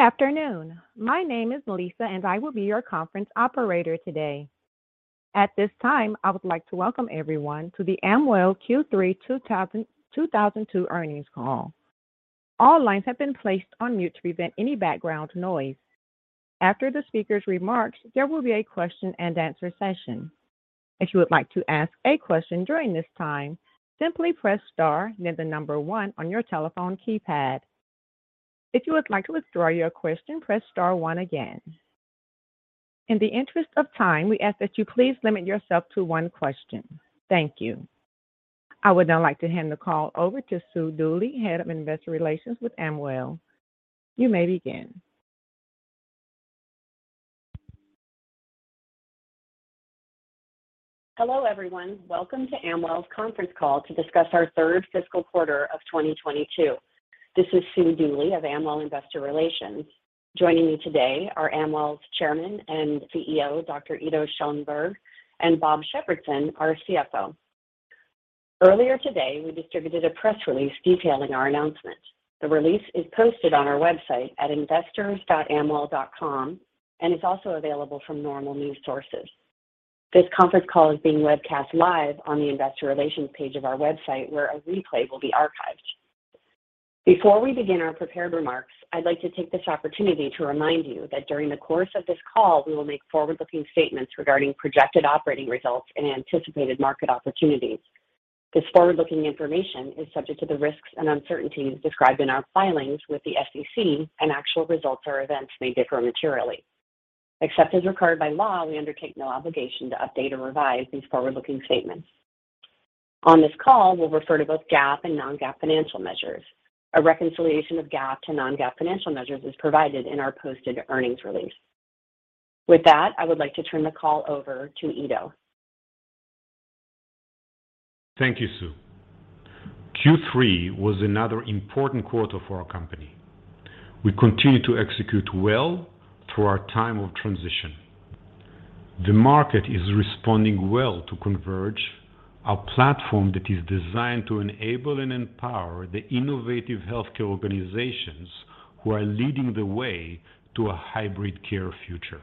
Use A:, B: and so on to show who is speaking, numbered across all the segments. A: Good afternoon. My name is Lisa, and I will be your conference operator today. At this time, I would like to welcome everyone to the Amwell Q3 2022 earnings call. All lines have been placed on mute to prevent any background noise. After the speaker's remarks, there will be a question-and-answer session. If you would like to ask a question during this time, simply press star then the number one on your telephone keypad. If you would like to withdraw your question, press star one again. In the interest of time, we ask that you please limit yourself to one question. Thank you. I would now like to hand the call over to Sue Dooley, Head of Investor Relations with Amwell. You may begin.
B: Hello, everyone. Welcome to Amwell's conference call to discuss our third fiscal quarter of 2022. This is Sue Dooley of Amwell Investor Relations. Joining me today are Amwell's Chairman and CEO, Dr. Ido Schoenberg, and Robert Shepardson, our CFO. Earlier today, we distributed a press release detailing our announcement. The release is posted on our website at investors.amwell.com, and it's also available from normal news sources. This conference call is being webcast live on the investor relations page of our website, where a replay will be archived. Before we begin our prepared remarks, I'd like to take this opportunity to remind you that during the course of this call, we will make forward-looking statements regarding projected operating results and anticipated market opportunities. This forward-looking information is subject to the risks and uncertainties described in our filings with the SEC, and actual results or events may differ materially. Except as required by law, we undertake no obligation to update or revise these forward-looking statements. On this call, we'll refer to both GAAP and non-GAAP financial measures. A reconciliation of GAAP to non-GAAP financial measures is provided in our posted earnings release. With that, I would like to turn the call over to Ido.
C: Thank you, Sue. Q3 was another important quarter for our company. We continue to execute well through our time of transition. The market is responding well to Converge, a platform that is designed to enable and empower the innovative healthcare organizations who are leading the way to a hybrid care future.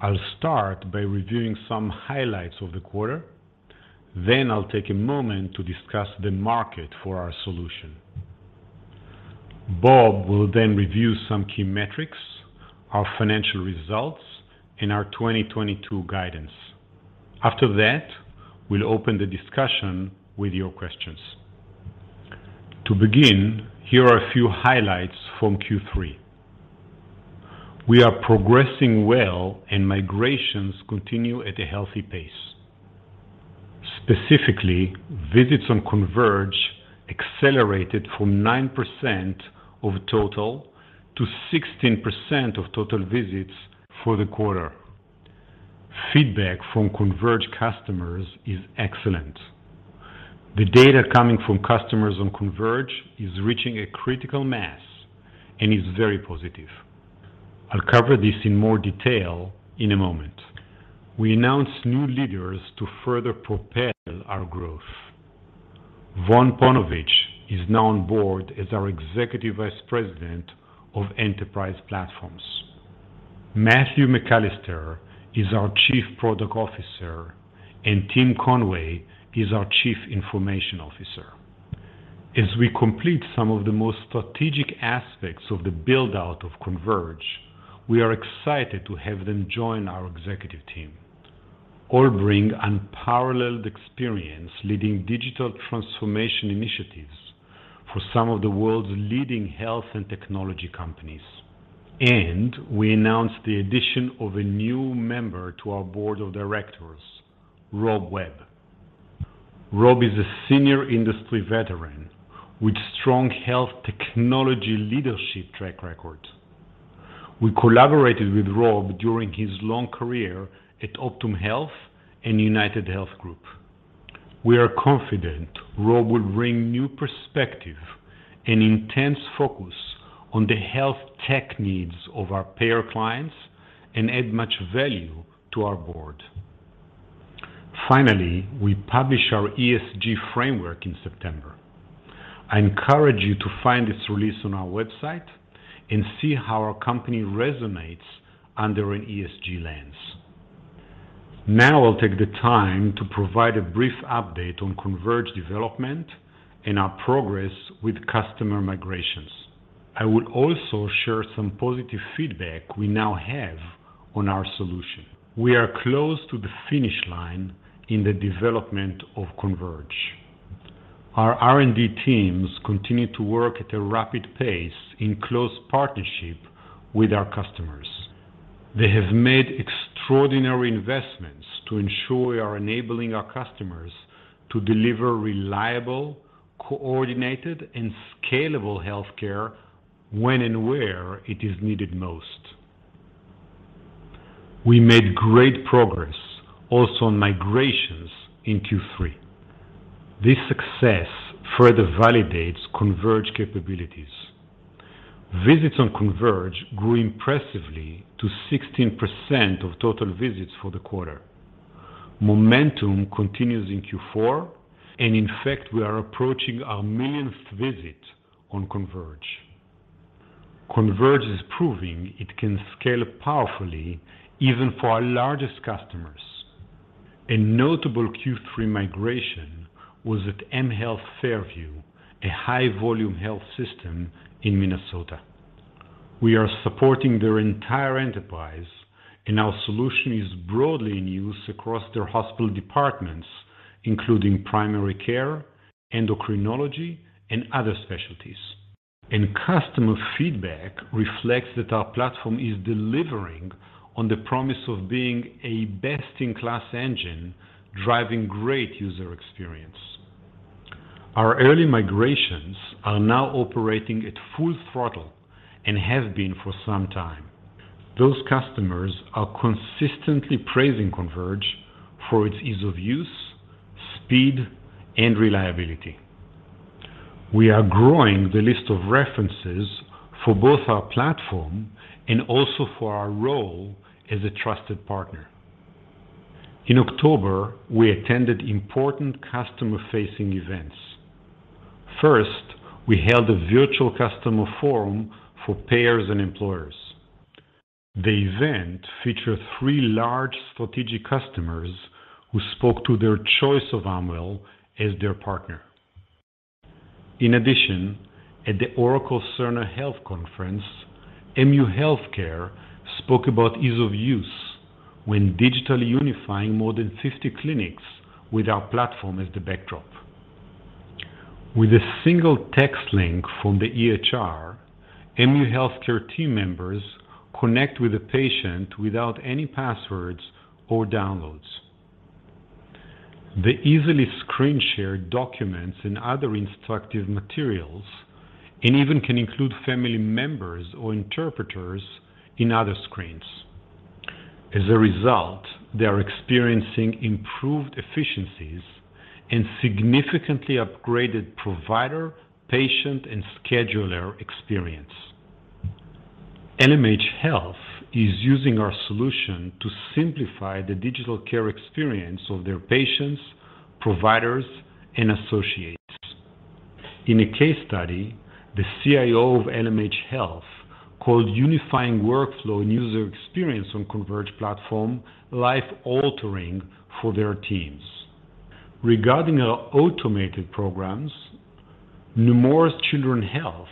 C: I'll start by reviewing some highlights of the quarter, then I'll take a moment to discuss the market for our solution. Bob will then review some key metrics, our financial results, and our 2022 guidance. After that, we'll open the discussion with your questions. To begin, here are a few highlights from Q3. We are progressing well, and migrations continue at a healthy pace. Specifically, visits on Converge accelerated from 9% of total to 16% of total visits for the quarter. Feedback from Converge customers is excellent. The data coming from customers on Converge is reaching a critical mass and is very positive. I'll cover this in more detail in a moment. We announced new leaders to further propel our growth. Vaughn Paunovich is now on board as our Executive Vice President of Enterprise Platforms. Matthew McAllister is our Chief Product Officer, and Tim Conway is our Chief Information Officer. As we complete some of the most strategic aspects of the build-out of Converge, we are excited to have them join our executive team. All bring unparalleled experience leading digital transformation initiatives for some of the world's leading health and technology companies. We announced the addition of a new member to our board of directors, Robert Webb. Rob is a senior industry veteran with strong health technology leadership track record. We collaborated with Rob during his long career at Optum Health and UnitedHealth Group. We are confident Rob will bring new perspective and intense focus on the health tech needs of our payer clients and add much value to our board. Finally, we published our ESG framework in September. I encourage you to find this release on our website and see how our company resonates under an ESG lens. Now I'll take the time to provide a brief update on Converge development and our progress with customer migrations. I will also share some positive feedback we now have on our solution. We are close to the finish line in the development of Converge. Our R&D teams continue to work at a rapid pace in close partnership with our customers. They have made extraordinary investments to ensure we are enabling our customers to deliver reliable, coordinated, and scalable healthcare when and where it is needed most. We made great progress also on migrations in Q3. This success further validates Converge capabilities. Visits on Converge grew impressively to 16% of total visits for the quarter. Momentum continues in Q4 and in fact, we are approaching our millionth visit on Converge. Converge is proving it can scale powerfully even for our largest customers. A notable Q3 migration was at M Health Fairview, a high volume health system in Minnesota. We are supporting their entire enterprise, and our solution is broadly in use across their hospital departments, including primary care, endocrinology, and other specialties. Customer feedback reflects that our platform is delivering on the promise of being a best in class engine, driving great user experience. Our early migrations are now operating at full throttle and have been for some time. Those customers are consistently praising Converge for its ease of use, speed, and reliability. We are growing the list of references for both our platform and also for our role as a trusted partner. In October, we attended important customer-facing events. First, we held a virtual customer forum for payers and employers. The event featured three large strategic customers who spoke to their choice of Amwell as their partner. In addition, at the Oracle Cerner Health Conference, MU Health Care spoke about ease of use when digitally unifying more than 50 clinics with our platform as the backdrop. With a single text link from the EHR, MU Health Care team members connect with the patient without any passwords or downloads. They easily screen share documents and other instructive materials, and even can include family members or interpreters in other screens. As a result, they are experiencing improved efficiencies and significantly upgraded provider, patient, and scheduler experience. LMH Health is using our solution to simplify the digital care experience of their patients, providers, and associates. In a case study, the CIO of LMH Health called unifying workflow and user experience on Converge platform life altering for their teams. Regarding our automated programs, Nemours Children's Health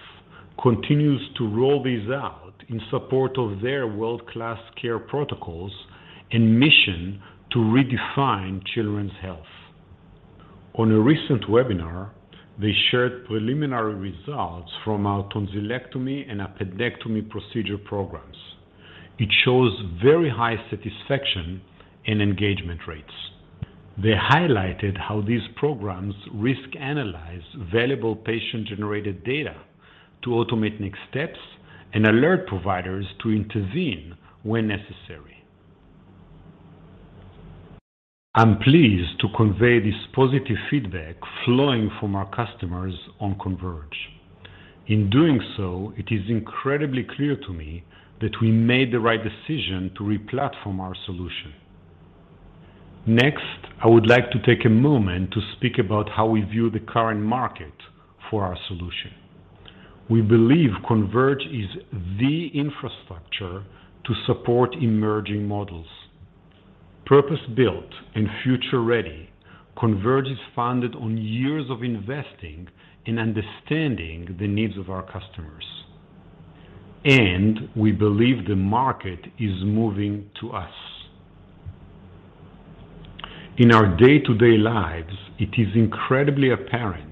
C: continues to roll these out in support of their world-class care protocols and mission to redefine children's health. On a recent webinar, they shared preliminary results from our tonsillectomy and appendectomy procedure programs. It shows very high satisfaction and engagement rates. They highlighted how these programs risk analyze valuable patient-generated data to automate next steps and alert providers to intervene when necessary. I'm pleased to convey this positive feedback flowing from our customers on Converge. In doing so, it is incredibly clear to me that we made the right decision to replatform our solution. Next, I would like to take a moment to speak about how we view the current market for our solution. We believe Converge is the infrastructure to support emerging models. Purpose-built and future ready, Converge is founded on years of investing and understanding the needs of our customers, and we believe the market is moving to us. In our day-to-day lives, it is incredibly apparent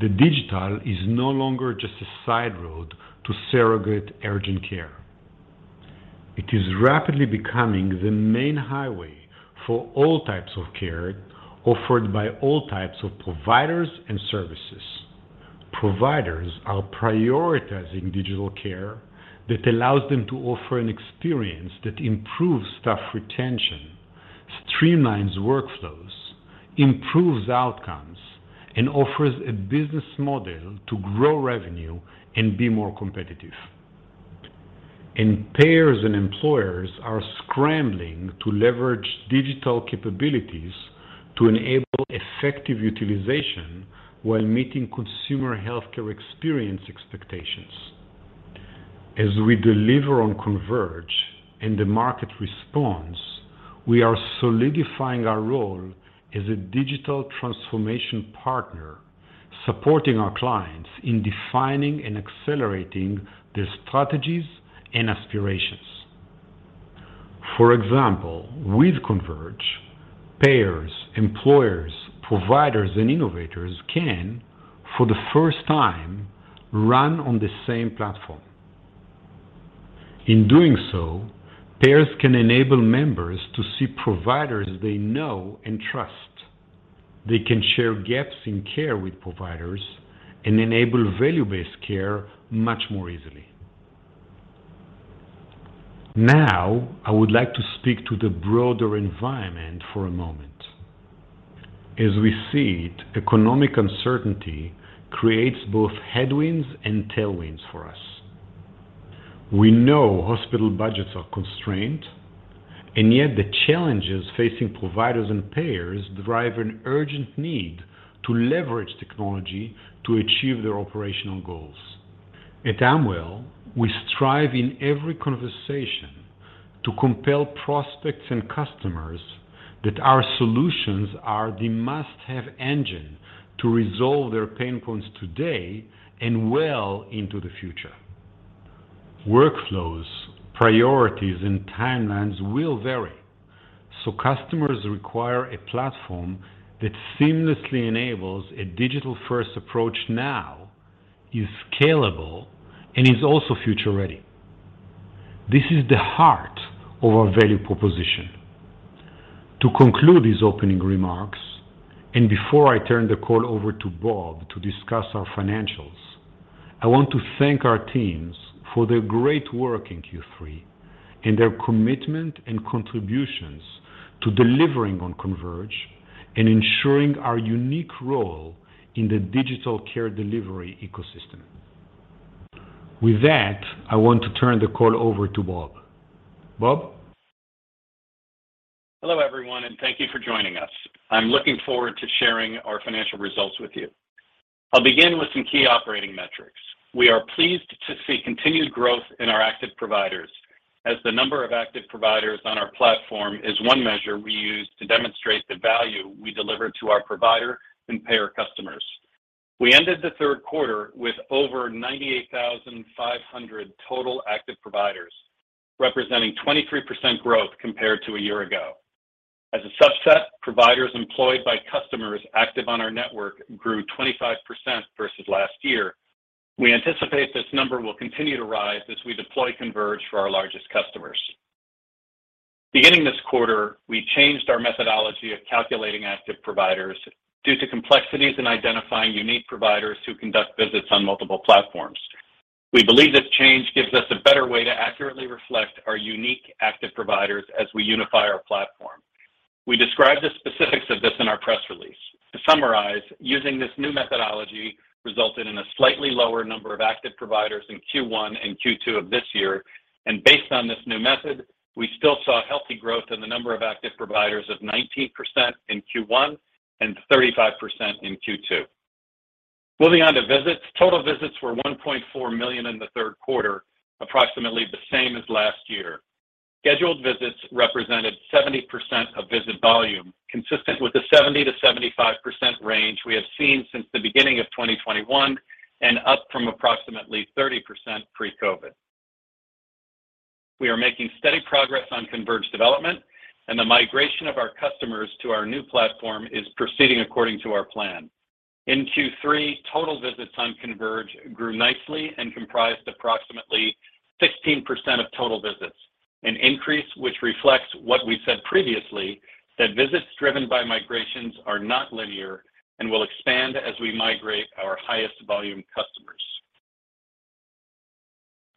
C: that digital is no longer just a side road to surrogate urgent care. It is rapidly becoming the main highway for all types of care offered by all types of providers and services. Providers are prioritizing digital care that allows them to offer an experience that improves staff retention, streamlines workflows, improves outcomes, and offers a business model to grow revenue and be more competitive. Payers and employers are scrambling to leverage digital capabilities to enable effective utilization while meeting consumer healthcare experience expectations. As we deliver on Converge and the market responds, we are solidifying our role as a digital transformation partner, supporting our clients in defining and accelerating their strategies and aspirations. For example, with Converge, payers, employers, providers, and innovators can, for the first time, run on the same platform. In doing so, payers can enable members to see providers they know and trust. They can share gaps in care with providers and enable value-based care much more easily. Now, I would like to speak to the broader environment for a moment. As we see it, economic uncertainty creates both headwinds and tailwinds for us. We know hospital budgets are constrained, and yet the challenges facing providers and payers drive an urgent need to leverage technology to achieve their operational goals. At Amwell, we strive in every conversation to compel prospects and customers that our solutions are the must-have engine to resolve their pain points today and well into the future. Workflows, priorities, and timelines will vary, so customers require a platform that seamlessly enables a digital-first approach now, is scalable, and is also future-ready. This is the heart of our value proposition. To conclude these opening remarks, and before I turn the call over to Bob to discuss our financials, I want to thank our teams for their great work in Q3 and their commitment and contributions to delivering on Converge and ensuring our unique role in the digital care delivery ecosystem. With that, I want to turn the call over to Bob. Bob?
D: Hello, everyone, and thank you for joining us. I'm looking forward to sharing our financial results with you. I'll begin with some key operating metrics. We are pleased to see continued growth in our active providers as the number of active providers on our platform is one measure we use to demonstrate the value we deliver to our provider and payer customers. We ended the third quarter with over 98,500 total active providers, representing 23% growth compared to a year ago. As a subset, providers employed by customers active on our network grew 25% versus last year. We anticipate this number will continue to rise as we deploy Converge for our largest customers. Beginning this quarter, we changed our methodology of calculating active providers due to complexities in identifying unique providers who conduct visits on multiple platforms. We believe this change gives us a better way to accurately reflect our unique active providers as we unify our platform. We describe the specifics of this in our press release. To summarize, using this new methodology resulted in a slightly lower number of active providers in Q1 and Q2 of this year. Based on this new method, we still saw healthy growth in the number of active providers of 19% in Q1 and 35% in Q2. Moving on to visits. Total visits were 1.4 million in the third quarter, approximately the same as last year. Scheduled visits represented 70% of visit volume, consistent with the 70%-75% range we have seen since the beginning of 2021 and up from approximately 30% pre-COVID. We are making steady progress on Converge development and the migration of our customers to our new platform is proceeding according to our plan. In Q3, total visits on Converge grew nicely and comprised approximately 16% of total visits, an increase which reflects what we said previously that visits driven by migrations are not linear and will expand as we migrate our highest volume customers.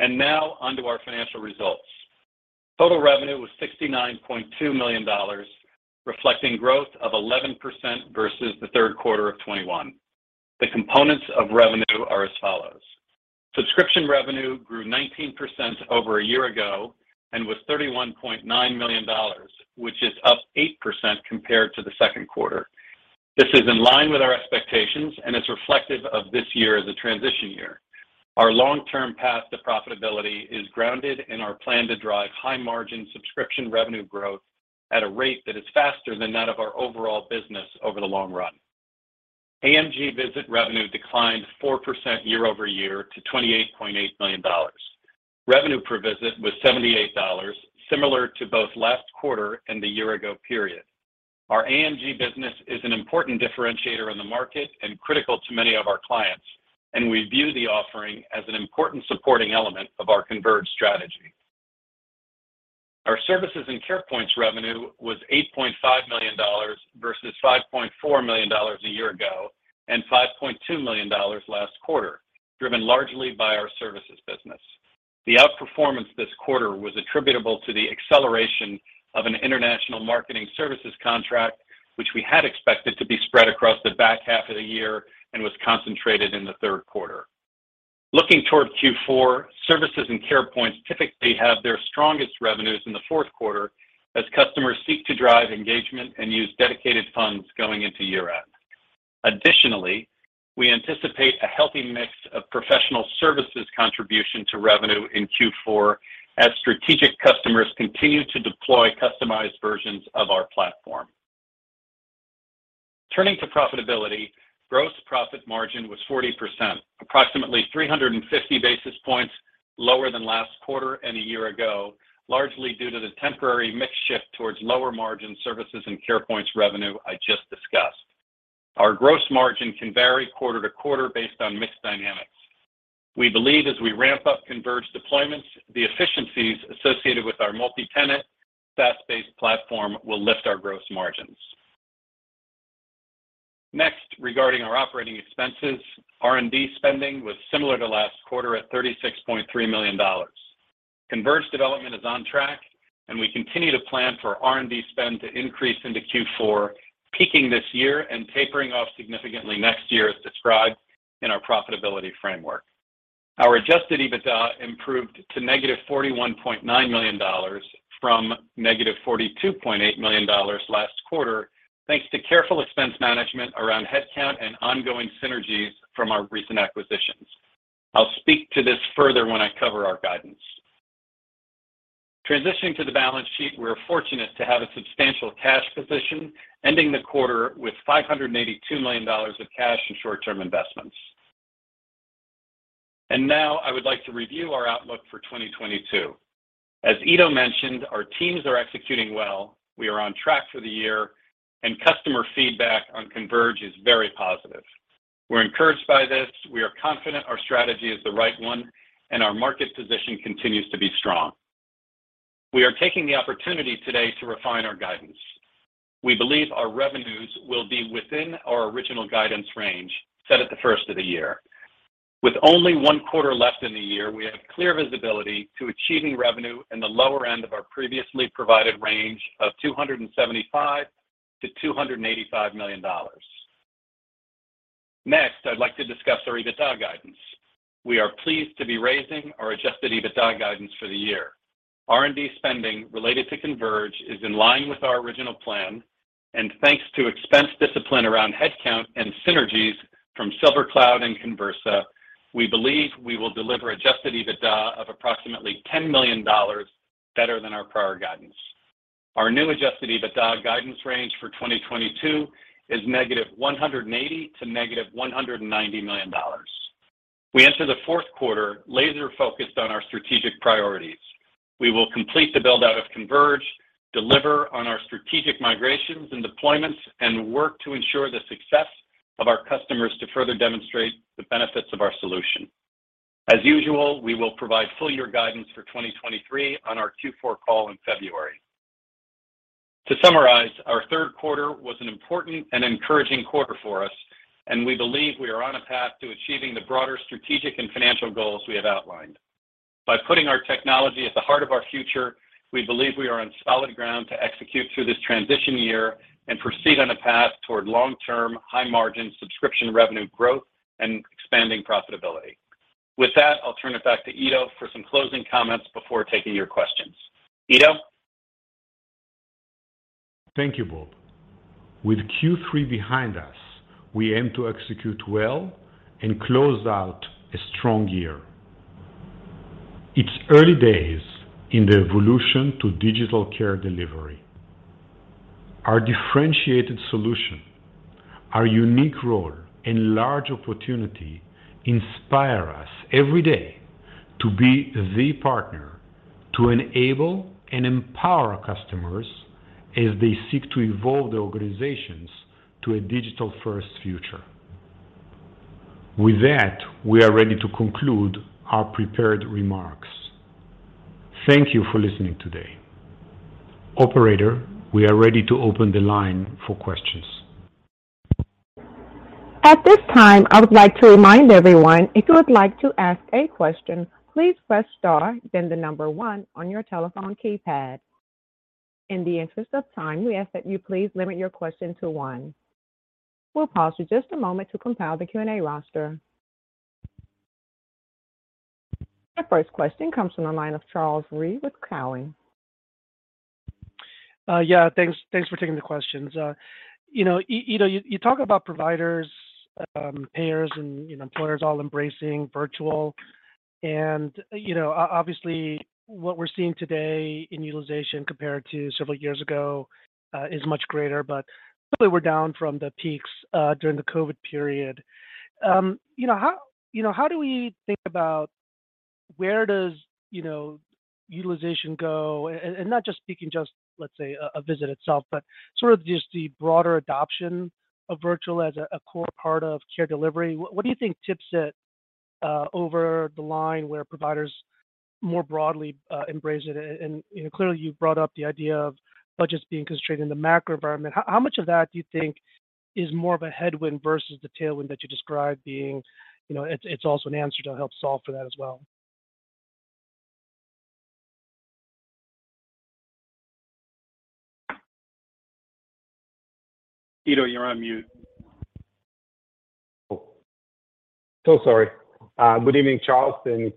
D: Now on to our financial results. Total revenue was $69.2 million, reflecting growth of 11% versus Q3 2021. The components of revenue are as follows. Subscription revenue grew 19% over a year ago and was $31.9 million, which is up 8% compared to Q2. This is in line with our expectations, and it's reflective of this year as a transition year. Our long-term path to profitability is grounded in our plan to drive high-margin subscription revenue growth at a rate that is faster than that of our overall business over the long run. AMG visit revenue declined 4% year-over-year to $28.8 million. Revenue per visit was $78, similar to both last quarter and the year-ago period. Our AMG business is an important differentiator in the market and critical to many of our clients, and we view the offering as an important supporting element of our Converge strategy. Our Services and Carepoint's revenue was $8.5 million versus $5.4 million a year ago and $5.2 million last quarter, driven largely by our services business. The outperformance this quarter was attributable to the acceleration of an international marketing services contract, which we had expected to be spread across the back half of the year and was concentrated in the third quarter. Looking towards Q4, Services and Carepoint typically have their strongest revenues in the fourth quarter as customers seek to drive engagement and use dedicated funds going into year-end. Additionally, we anticipate a healthy mix of professional services contribution to revenue in Q4 as strategic customers continue to deploy customized versions of our platform. Turning to profitability, gross profit margin was 40%, approximately 350 basis points lower than last quarter and a year ago, largely due to the temporary mix shift towards lower-margin Services and Carepoint revenue I just discussed. Our gross margin can vary quarter to quarter based on mix dynamics. We believe as we ramp up Converge deployments, the efficiencies associated with our multi-tenant, SaaS-based platform will lift our gross margins. Next, regarding our operating expenses, R&D spending was similar to last quarter at $36.3 million. Converge development is on track. We continue to plan for R&D spend to increase into Q4, peaking this year and tapering off significantly next year, as described in our profitability framework. Our adjusted EBITDA improved to negative $41.9 million from -$42.8 million last quarter, thanks to careful expense management around headcount and ongoing synergies from our recent acquisitions. I'll speak to this further when I cover our guidance. Transitioning to the balance sheet, we're fortunate to have a substantial cash position, ending the quarter with $582 million of cash and short-term investments. Now I would like to review our outlook for 2022. Ido mentioned, our teams are executing well. We are on track for the year, and customer feedback on Converge is very positive. We're encouraged by this. We are confident our strategy is the right one, and our market position continues to be strong. We are taking the opportunity today to refine our guidance. We believe our revenues will be within our original guidance range set at the first of the year. With only one quarter left in the year, we have clear visibility to achieving revenue in the lower end of our previously provided range of $275 million-$285 million. Next, I'd like to discuss our EBITDA guidance. We are pleased to be raising our adjusted EBITDA guidance for the year. R&D spending related to Converge is in line with our original plan, and thanks to expense discipline around headcount and synergies from SilverCloud and Conversa, we believe we will deliver adjusted EBITDA of approximately $10 million better than our prior guidance. Our new adjusted EBITDA guidance range for 2022 is -$180 million to -$190 million. We enter the fourth quarter laser-focused on our strategic priorities. We will complete the build-out of Converge, deliver on our strategic migrations and deployments, and work to ensure the success of our customers to further demonstrate the benefits of our solution. As usual, we will provide full-year guidance for 2023 on our Q4 call in February. To summarize, our third quarter was an important and encouraging quarter for us, and we believe we are on a path to achieving the broader strategic and financial goals we have outlined. By putting our technology at the heart of our future, we believe we are on solid ground to execute through this transition year and proceed on a path toward long-term, high-margin subscription revenue growth and expanding profitability. With that, I'll turn it back to Ido for some closing comments before taking your questions. Ido?
C: Thank you, Bob. With Q3 behind us, we aim to execute well and close out a strong year. It's early days in the evolution to digital care delivery. Our differentiated solution, our unique role, and large opportunity inspire us every day to be the partner to enable and empower our customers as they seek to evolve their organizations to a digital-first future. With that, we are ready to conclude our prepared remarks. Thank you for listening today. Operator, we are ready to open the line for questions.
A: At this time, I would like to remind everyone, if you would like to ask a question, please press star, then the number one on your telephone keypad. In the interest of time, we ask that you please limit your question to one. We'll pause for just a moment to compile the Q&A roster. The first question comes from the line of Charles Rhyee with Cowen.
E: Yeah, thanks for taking the questions. You know, Ido, you talk about providers, payers and, you know, employers all embracing virtual. You know, obviously, what we're seeing today in utilization compared to several years ago is much greater, but probably we're down from the peaks during the COVID period. You know, how do we think about where does utilization go? Not just speaking, just let's say, a visit itself, but sort of just the broader adoption of virtual as a core part of care delivery. What do you think tips it over the line where providers more broadly embrace it? You know, clearly you've brought up the idea of budgets being constrained in the macro environment. How much of that do you think is more of a headwind versus the tailwind that you described being, you know, it's also an answer to help solve for that as well?
D: Ido, you're on mute.
C: Sorry. Good evening, Charles, and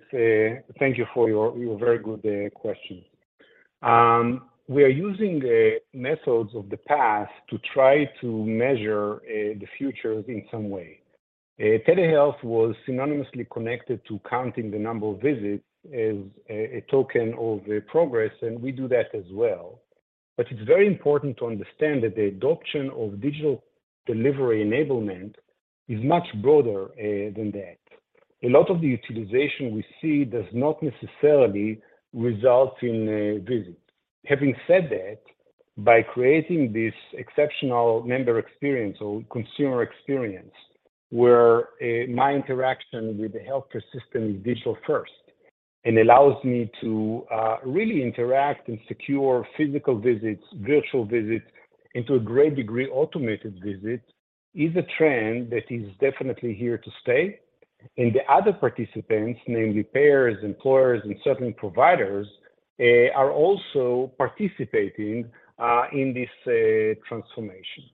C: thank you for your very good questions. We are using methods of the past to try to measure the future in some way. Telehealth was synonymously connected to counting the number of visits as a token of the progress, and we do that as well. It's very important to understand that the adoption of digital delivery enablement is much broader than that. A lot of the utilization we see does not necessarily result in a visit. Having said that, by creating this exceptional member experience or consumer experience, where my interaction with the healthcare system is digital first and allows me to really interact and secure physical visits, virtual visits, and to a great degree, automated visits, is a trend that is definitely here to stay. The other participants, namely payers, employers, and certain providers, are also participating in this transformation.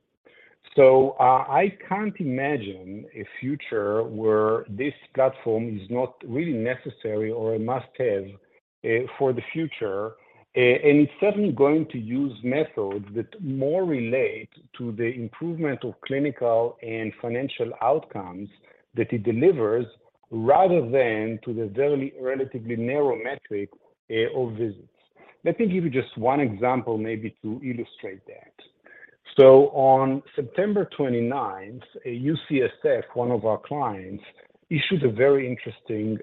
C: I can't imagine a future where this platform is not really necessary or a must-have for the future. It's certainly going to use methods that more relate to the improvement of clinical and financial outcomes that it delivers, rather than to the very relatively narrow metric of visits. Let me give you just one example, maybe to illustrate that. On September 29th, UCSF, one of our clients, issued a very interesting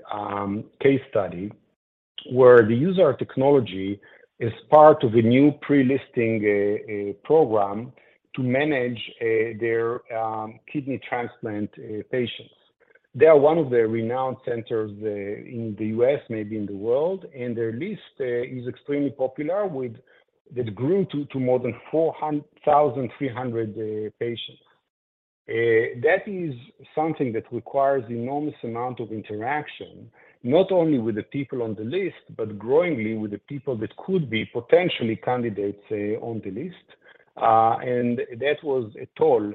C: case study where the use of our technology is part of a new pre-listing program to manage their kidney transplant patients. They are one of the renowned centers in the U.S., maybe in the world, and their list is extremely popular with. That grew to more than 400,300 patients. That is something that requires enormous amount of interaction, not only with the people on the list, but growingly with the people that could be potential candidates on the list, and that was a toll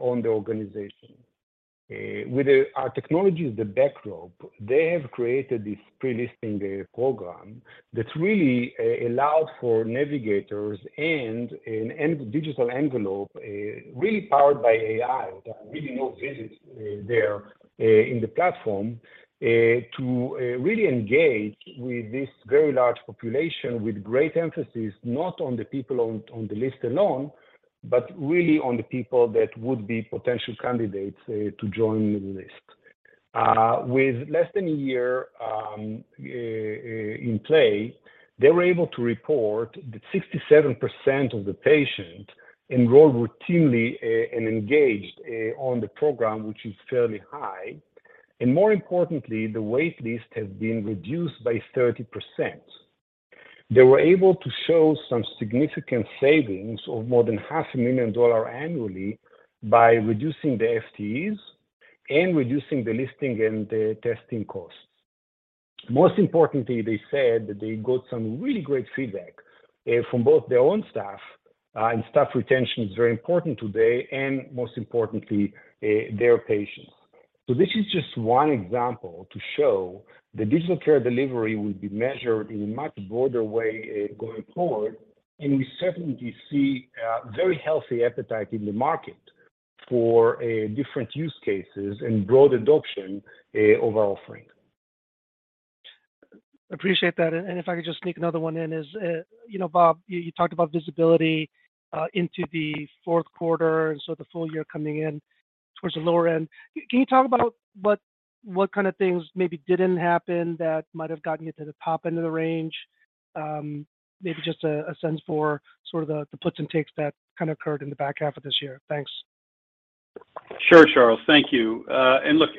C: on the organization. Our technology is the backdrop, they have created this pre-listing program that really allowed for navigators and a digital envelope really powered by AI. There are really no visits in the platform to really engage with this very large population with great emphasis, not on the people on the list alone, but really on the people that would be potential candidates to join the list. With less than a year in play, they were able to report that 67% of the patients enrolled routinely and engaged on the program, which is fairly high. More importantly, the wait list has been reduced by 30%. They were able to show some significant savings of more than half a million dollars annually by reducing the FTEs and reducing the listing and the testing costs. Most importantly, they said that they got some really great feedback from both their own staff and staff retention is very important today, and most importantly, their patients. This is just one example to show the digital care delivery will be measured in a much broader way going forward, and we certainly see a very healthy appetite in the market for different use cases and broad adoption of our offering.
E: Appreciate that. If I could just sneak another one in, you know, Bob, you talked about visibility into the fourth quarter, so the full-year coming in towards the lower end. Can you talk about what kind of things maybe didn't happen that might have gotten you to the top end of the range? Maybe just a sense for sort of the puts and takes that kind of occurred in the back half of this year. Thanks.
D: Sure, Charles. Thank you. Look,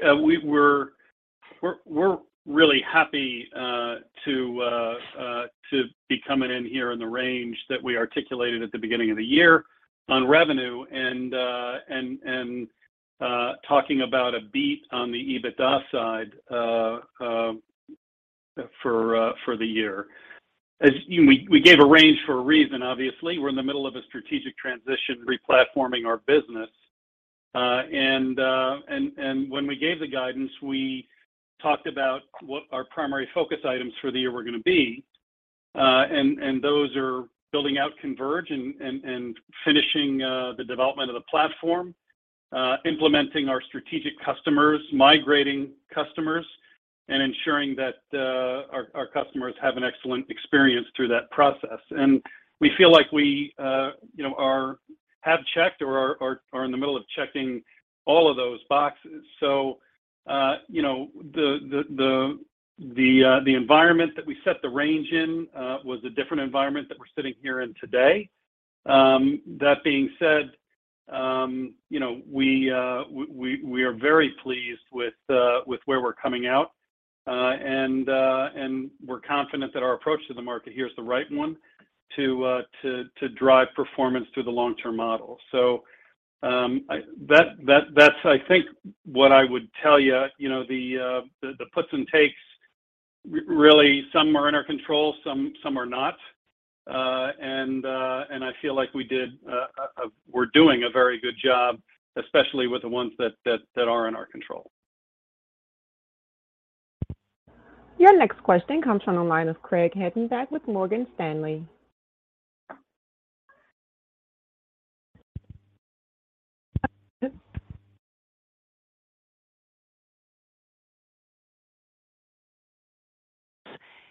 D: we're really happy to be coming in here in the range that we articulated at the beginning of the year on revenue and talking about a beat on the EBITDA side for the year. We gave a range for a reason, obviously. We're in the middle of a strategic transition, replatforming our business. When we gave the guidance, we talked about what our primary focus items for the year were gonna be, and those are building out Converge and finishing the development of the platform, implementing our strategic customers, migrating customers, and ensuring that our customers have an excellent experience through that process. We feel like we, you know, have checked or are in the middle of checking all of those boxes. You know, the environment that we set the range in was a different environment than we're sitting here in today. That being said, you know, we are very pleased with where we're coming out, and we're confident that our approach to the market here is the right one to drive performance through the long-term model. That's, I think, what I would tell you. You know, the puts and takes really some are in our control, some are not. I feel like we're doing a very good job, especially with the ones that are in our control.
A: Your next question comes from the line of Craig Hettenbach with Morgan Stanley.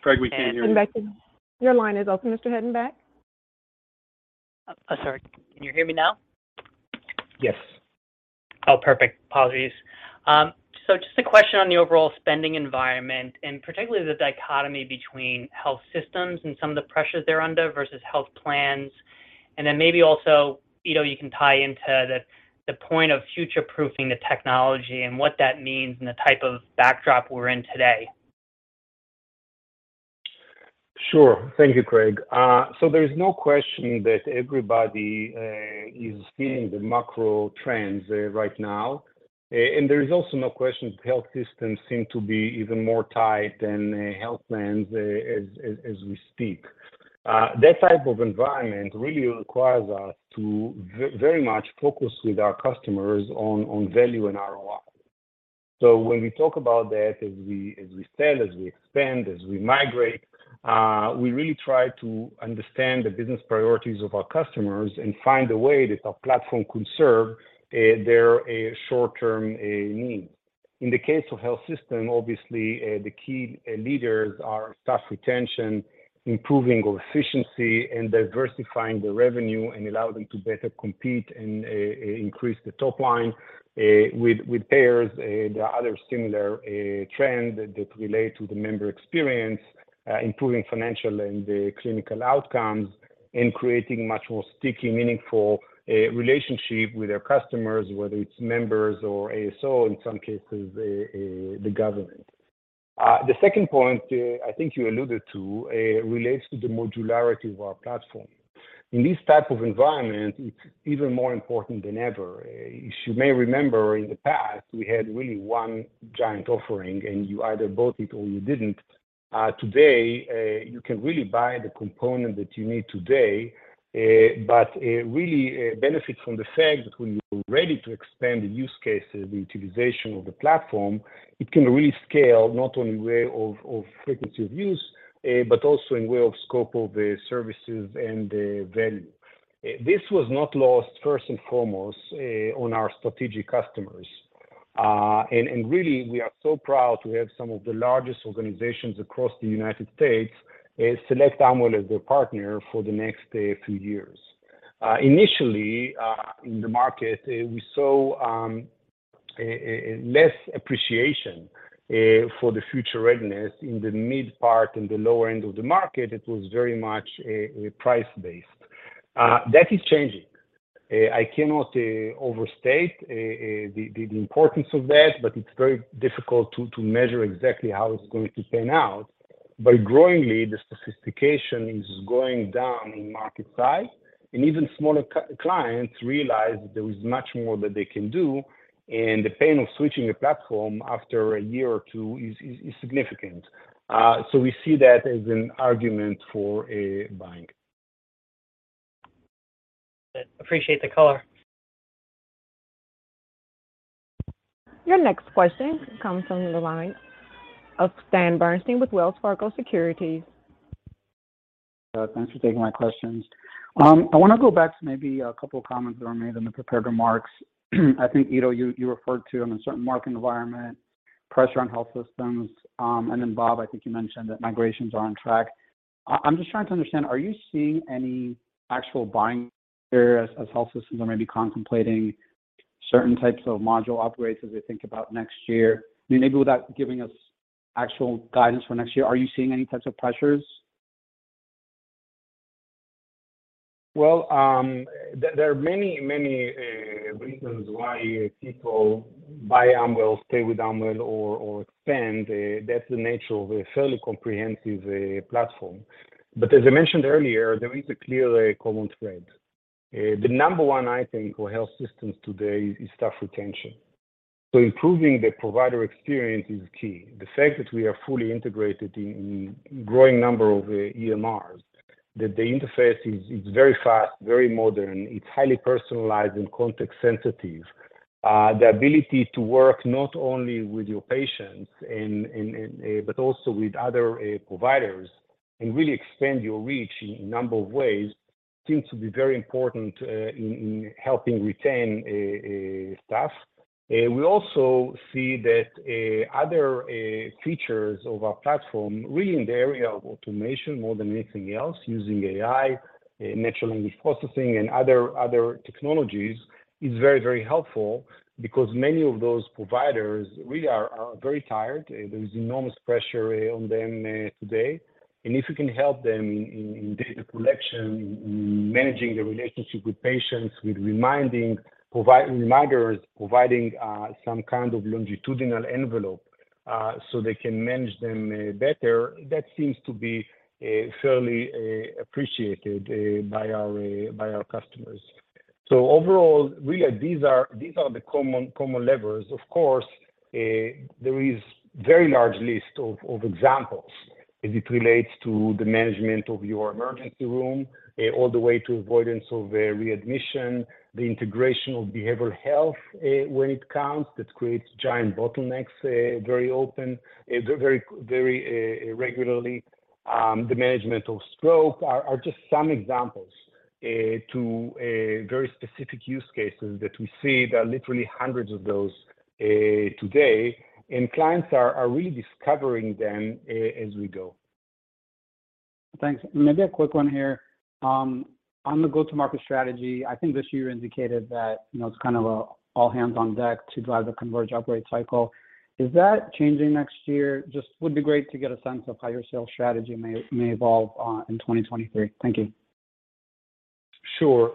D: Craig, we can't hear you.
C: Your line is open, Mr. Hettenbach.
F: Sorry. Can you hear me now?
D: Yes.
F: Oh, perfect. Apologies. Just a question on the overall spending environment, and particularly the dichotomy between health systems and some of the pressures they're under versus health plans. Then maybe also, you know, you can tie into the point of future-proofing the technology and what that means and the type of backdrop we're in today.
C: Sure. Thank you, Craig. There is no question that everybody is feeling the macro trends right now. There is also no question health systems seem to be even more tight than health plans as we speak. That type of environment really requires us to very much focus with our customers on value and ROI. When we talk about that as we sell, as we expand, as we migrate, we really try to understand the business priorities of our customers and find a way that our platform could serve their short-term needs. In the case of health systems, obviously, the key levers are staff retention, improving of efficiency, and diversifying the revenue, and allow them to better compete and increase the top line. With payers, there are other similar trends that relate to the member experience, improving financial and the clinical outcomes, and creating much more sticky, meaningful relationship with their customers, whether it's members or ASO, in some cases, the government. The second point I think you alluded to relates to the modularity of our platform. In this type of environment, it's even more important than ever. As you may remember in the past, we had really one giant offering, and you either bought it or you didn't. Today, you can really buy the component that you need today, but it really benefits from the fact that when you're ready to expand the use cases, the utilization of the platform, it can rescale not only way of frequency of use, but also in way of scope of the services and the value. This was not lost, first and foremost, on our strategic customers. Really, we are so proud to have some of the largest organizations across the United States select Amwell as their partner for the next few years. Initially, in the market, we saw a less appreciation for the future readiness in the mid part and the lower end of the market. It was very much price-based. That is changing. I cannot overstate the importance of that, but it's very difficult to measure exactly how it's going to pan out. Growingly, the sophistication is going down in market size, and even smaller clients realize that there is much more that they can do, and the pain of switching a platform after a year or two is significant. We see that as an argument for buying.
F: Appreciate the color.
A: Your next question comes from the line of Stan Berenshteyn with Wells Fargo Securities.
G: Thanks for taking my questions. I wanna go back to maybe a couple of comments that were made in the prepared remarks. I think, Ido, you referred to them in a certain market environment, pressure on health systems, and then Bob, I think you mentioned that migrations are on track. I'm just trying to understand, are you seeing any actual buying as health systems are maybe contemplating certain types of module upgrades as they think about next year? Maybe without giving us actual guidance for next year, are you seeing any types of pressures?
C: Well, there are many reasons why people buy Amwell, stay with Amwell or expand. That's the nature of a fairly comprehensive platform. As I mentioned earlier, there is a clear common thread. The number one, I think, for health systems today is staff retention. Improving the provider experience is key. The fact that we are fully integrated in growing number of EMRs, that the interface is very fast, very modern, it's highly personalized and context sensitive. The ability to work not only with your patients and but also with other providers and really expand your reach in number of ways seems to be very important in helping retain staff. We also see that other features of our platform, really in the area of automation more than anything else, using AI, natural language processing and other technologies, is very helpful because many of those providers really are very tired. There is enormous pressure on them today. If you can help them in data collection, in managing the relationship with patients, with providing reminders, some kind of longitudinal envelope, so they can manage them better, that seems to be fairly appreciated by our customers. Overall, really these are the common levers. Of course, there is very large list of examples as it relates to the management of your emergency room, all the way to avoidance of readmission, the integration of behavioral health, when it comes, that creates giant bottlenecks very often, very regularly. The management of stroke are just some examples to a very specific use cases that we see. There are literally hundreds of those today, and clients are really discovering them as we go.
G: Thanks. Maybe a quick one here. On the go-to-market strategy, I think this year indicated that, you know, it's kind of a all hands on deck to drive the Converge upgrade cycle. Is that changing next year? Just would be great to get a sense of how your sales strategy may evolve in 2023. Thank you.
C: Sure.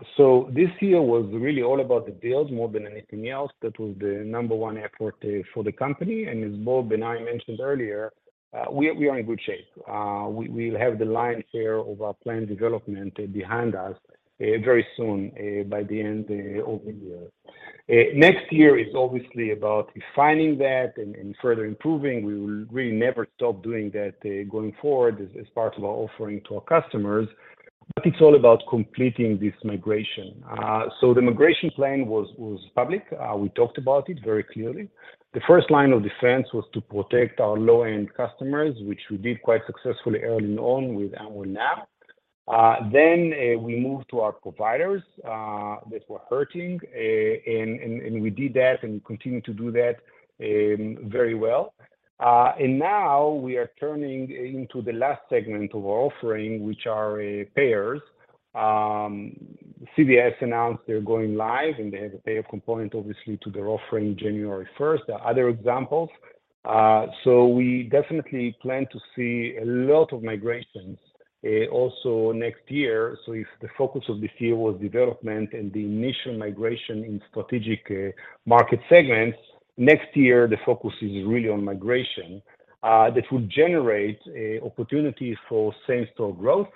C: This year was really all about the deals more than anything else. That was the number one effort for the company. As Bob and I mentioned earlier, we are in good shape. We have the lion's share of our plan development behind us very soon by the end of the year. Next year is obviously about refining that and further improving. We will really never stop doing that going forward as part of our offering to our customers. It's all about completing this migration. The migration plan was public. We talked about it very clearly. The first line of defense was to protect our low-end customers, which we did quite successfully early on with Amwell Now. We moved to our providers that were hurting. We did that, and we continue to do that very well. Now we are turning into the last segment of our offering, which are payers. CVS announced they're going live, and they have a payer component, obviously, to their offering January first. There are other examples. We definitely plan to see a lot of migrations also next year. If the focus of this year was development and the initial migration in strategic market segments, next year the focus is really on migration that will generate opportunities for same-store growth.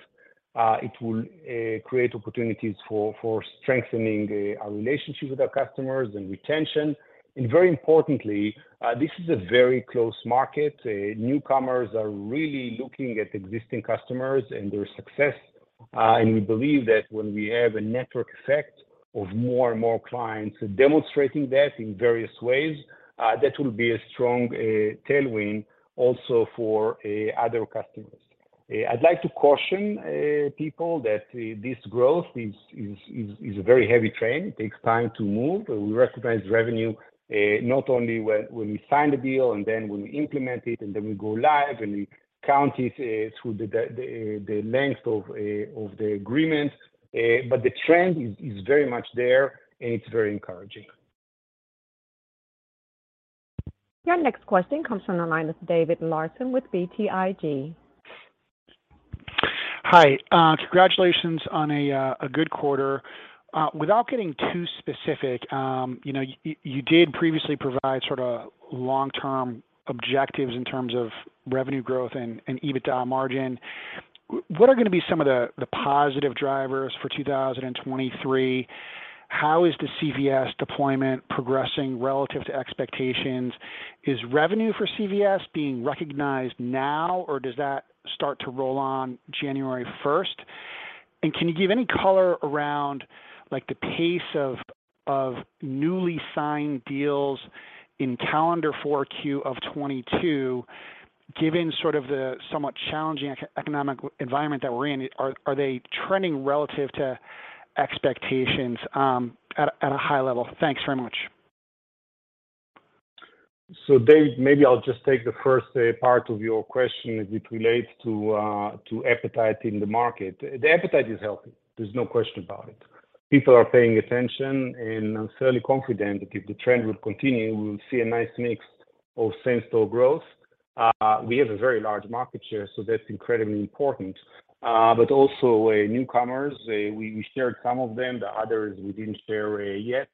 C: It will create opportunities for strengthening our relationship with our customers and retention. Very importantly, this is a very close market. Newcomers are really looking at existing customers and their success. We believe that when we have a network effect of more and more clients demonstrating that in various ways, that will be a strong tailwind also for other customers. I'd like to caution people that this growth is a very heavy train. It takes time to move. We recognize revenue not only when we sign the deal and then when we implement it, and then we go live, and we count it through the length of the agreement. The trend is very much there, and it's very encouraging.
A: Your next question comes from the line of David Larsen with BTIG.
H: Hi. Congratulations on a good quarter. Without getting too specific, you know, you did previously provide sort of long-term objectives in terms of revenue growth and EBITDA margin. What are gonna be some of the positive drivers for 2023? How is the CVS deployment progressing relative to expectations? Is revenue for CVS being recognized now, or does that start to roll on January 1? Can you give any color around, like, the pace of newly signed deals in calendar Q4 of 2022, given sort of the somewhat challenging economic environment that we're in? Are they trending relative to expectations at a high level? Thanks very much.
C: Dave, maybe I'll just take the first part of your question as it relates to appetite in the market. The appetite is healthy, there's no question about it. People are paying attention, and I'm fairly confident that if the trend will continue, we'll see a nice mix of same-store growth. We have a very large market share, so that's incredibly important. But also newcomers. We shared some of them, the others we didn't share yet.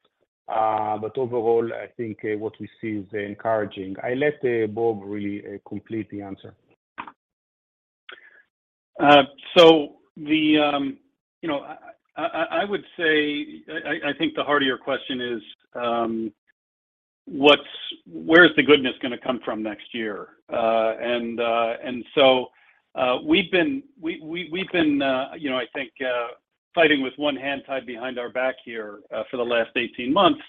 C: But overall, I think what we see is encouraging. I'll let Bob really complete the answer.
D: The, you know, I would say I think the heart of your question is where's the goodness gonna come from next year? We've been, you know, I think, fighting with one hand tied behind our back here, for the last 18 months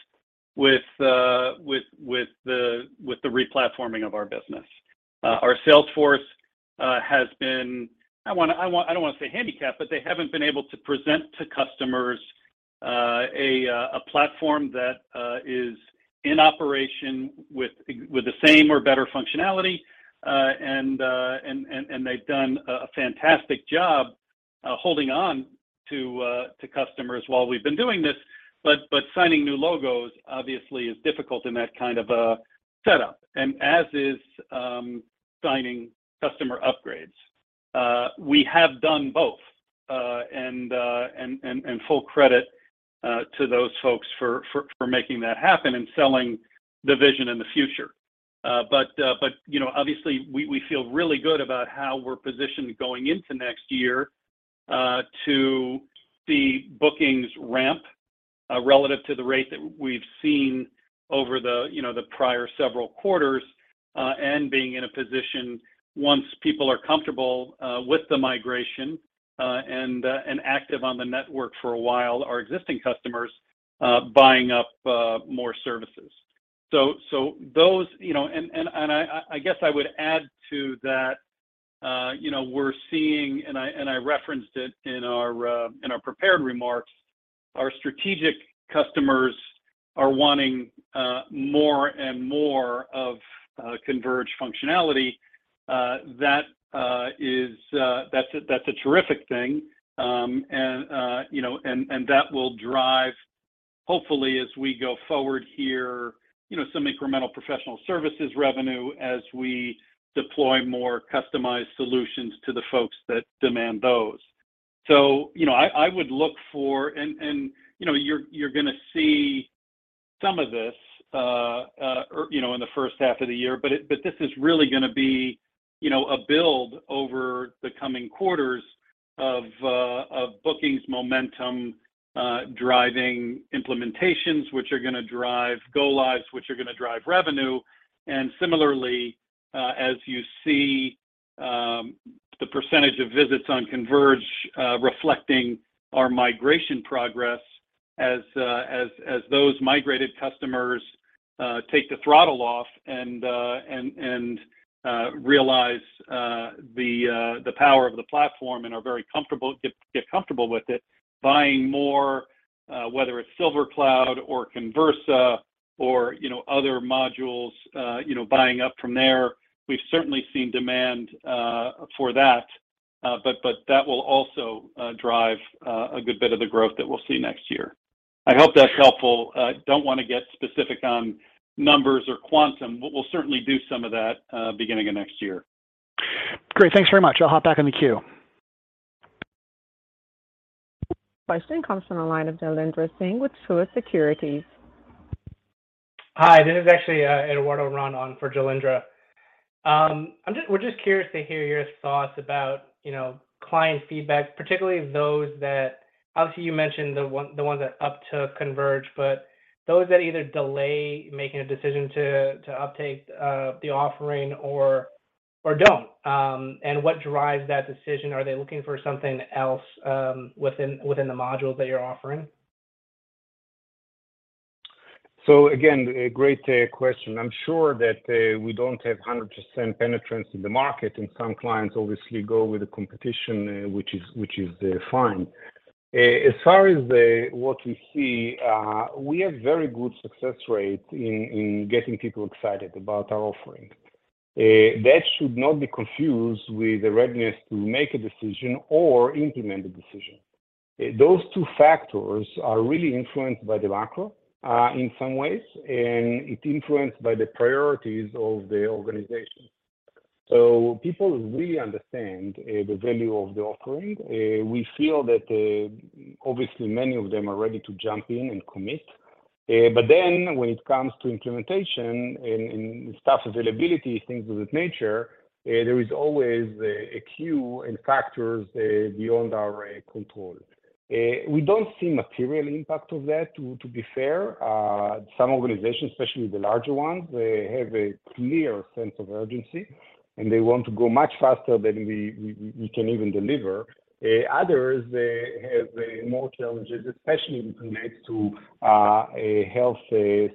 D: with the re-platforming of our business. Our sales force has been, I wanna, I don't wanna say handicapped, but they haven't been able to present to customers, a platform that is in operation with the same or better functionality. They've done a fantastic job, holding on to customers while we've been doing this. Signing new logos, obviously, is difficult in that kind of a setup, and as is signing customer upgrades. We have done both, and full credit to those folks for making that happen and selling the vision in the future. You know, obviously, we feel really good about how we're positioned going into next year to see bookings ramp relative to the rate that we've seen over, you know, the prior several quarters. Being in a position once people are comfortable with the migration and active on the network for a while, our existing customers buying up more services. Those, you know, I guess I would add to that, you know, we're seeing, I referenced it in our prepared remarks, our strategic customers are wanting more and more of converged functionality. That's a terrific thing. You know, that will drive, hopefully, as we go forward here, you know, some incremental professional services revenue as we deploy more customized solutions to the folks that demand those. You know, I would look for. You know, you're gonna see some of this, you know, in the first half of the year, but this is really gonna be, you know, a build over the coming quarters of bookings momentum driving implementations, which are gonna drive go lives, which are gonna drive revenue. Similarly, as you see the percentage of visits on Converge reflecting our migration progress as those migrated customers take the throttle off and realize the power of the platform and get comfortable with it, buying more, whether it's SilverCloud or Conversa or, you know, other modules, you know, buying up from there. We've certainly seen demand for that, but that will also drive a good bit of the growth that we'll see next year. I hope that's helpful. Don't wanna get specific on numbers or quantum. We'll certainly do some of that beginning of next year.
H: Great. Thanks very much. I'll hop back in the queue.
A: Question comes from the line of Jailendra Singh with Truist Securities.
I: Hi, this is actually Eduardo Rondon for Jailendra. We're just curious to hear your thoughts about, you know, client feedback, particularly those that. Obviously, you mentioned the one, the ones that upped to Converge, but those that either delay making a decision to uptake the offering or don't. What drives that decision? Are they looking for something else within the modules that you're offering?
C: Again, a great question. I'm sure that we don't have 100% penetrance in the market, and some clients obviously go with the competition, which is fine. As far as what we see, we have very good success rate in getting people excited about our offering. That should not be confused with the readiness to make a decision or implement the decision. Those two factors are really influenced by the macro in some ways, and it influenced by the priorities of the organization. People really understand the value of the offering. We feel that obviously many of them are ready to jump in and commit. When it comes to implementation and staff availability, things of that nature, there is always a queue and factors beyond our control. We don't see material impact of that, to be fair. Some organizations, especially the larger ones, they have a clear sense of urgency, and they want to go much faster than we can even deliver. Others, they have more challenges, especially when it relates to a health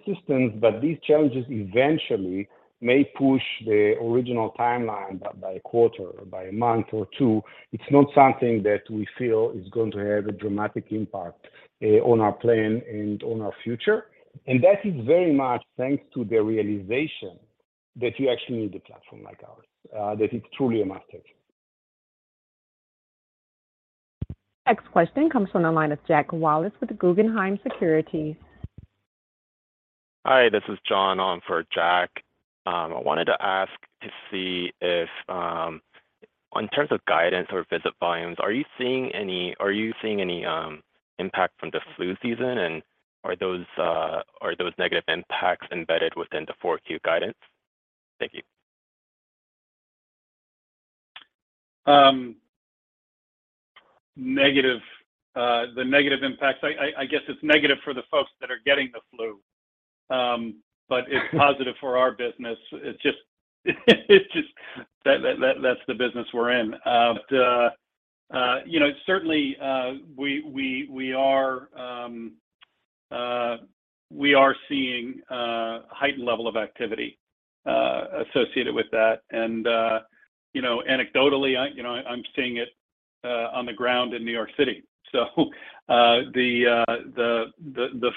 C: systems. These challenges eventually may push the original timeline by a quarter or by a month or two. It's not something that we feel is going to have a dramatic impact on our plan and on our future. That is very much thanks to the realization that you actually need a platform like ours that is truly a market.
A: Next question comes from the line of Jack Wallace with Guggenheim Securities.
J: Hi, this is John on for Jack. I wanted to ask to see if, in terms of guidance or visit volumes, are you seeing any impact from the flu season? Are those negative impacts embedded within the Q4 guidance? Thank you.
D: The negative impacts, I guess it's negative for the folks that are getting the flu. It's positive for our business. It's just that that's the business we're in. You know, certainly, we are seeing a heightened level of activity associated with that. You know, anecdotally, I'm seeing it on the ground in New York City. The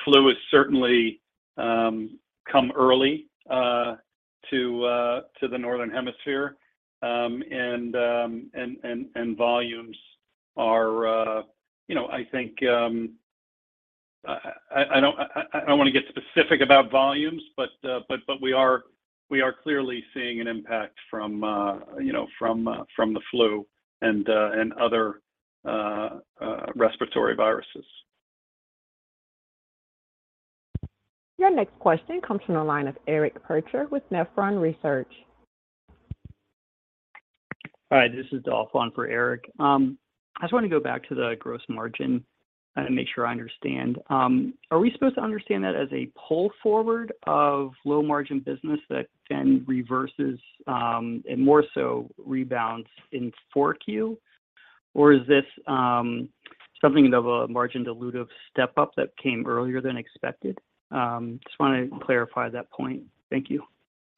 D: flu is certainly come early to the northern hemisphere. Volumes are, you know, I think. I don't want to get specific about volumes, but we are clearly seeing an impact from you know from the flu and other respiratory viruses.
A: Your next question comes from the line of Eric Percher with Nephron Research.
K: Hi, this is Dolph on for Eric Percher. I just wanna go back to the gross margin and make sure I understand. Are we supposed to understand that as a pull forward of low margin business that then reverses, and more so rebounds in 4Q? Or is this something of a margin dilutive step up that came earlier than expected? Just wanna clarify that point. Thank you.